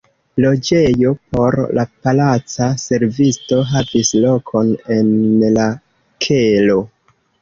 Loĝejo por la palaca servisto havis lokon en la kelo.